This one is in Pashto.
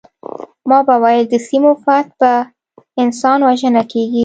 ما به ویل د سیمو فتح په انسان وژنه کیږي